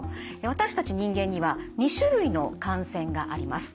私たち人間には２種類の汗腺があります。